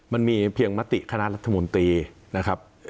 มันมีเพียงมติคณะรัฐมนตรีนะครับ